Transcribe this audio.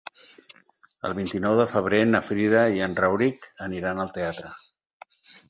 El vint-i-nou de febrer na Frida i en Rauric aniran al teatre.